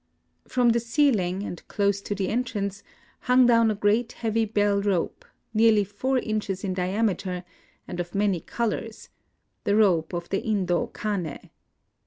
From the ceiling, and close to the entrance, hung down a great heavy bell rope, nearly four inches in diameter and of many colors, — the rope of the Indo Kane.